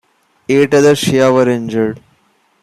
Eight other Shia were injured.